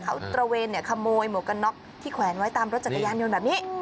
เขาตระเวนขโมยหมวกกันน็อกที่แขวนไว้ตามรถจักรยานยนต์แบบนี้